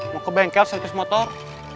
mau ke bengkel service motor